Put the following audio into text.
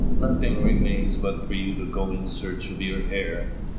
Nothing remains but for you to go in search of your hair."